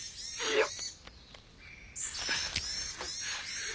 よっ。